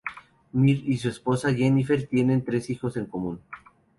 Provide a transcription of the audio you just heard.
Mir y su esposa Jennifer tienen tres hijos en común.